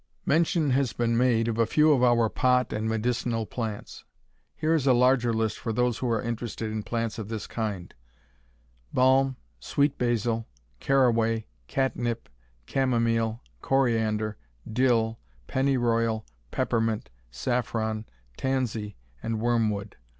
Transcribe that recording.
Mention has been made of a few of our pot and medicinal plants. Here is a larger list for those who are interested in plants of this kind: balm, sweet basil, caraway, catnip, camomile, coriander, dill, pennyroyal, peppermint, saffron, tansy, and wormwood.